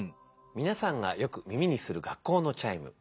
みなさんがよく耳にする学校のチャイム。